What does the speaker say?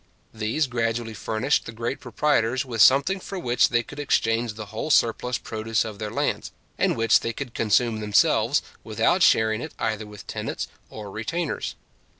These gradually furnished the great proprietors with something for which they could exchange the whole surplus produce of their lands, and which they could consume themselves, without sharing it either with tenants or retainers.